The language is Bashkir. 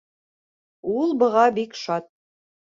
Ул быға бик шат.